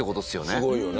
すごいよね。